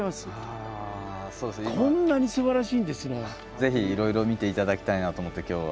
ぜひいろいろ見ていただきたいなと思って今日は。